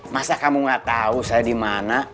masa kamu gak tahu saya di mana